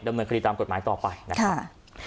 ดำเนินคดีตามกฎหมายต่อไปนะครับ